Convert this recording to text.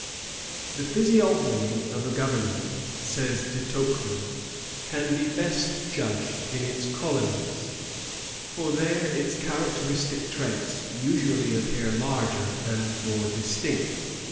"The physiognomy of a government," says De Tocqueville, " can best be judged in its colo nies, for there its characteristic traits usually appear larger and more distinct.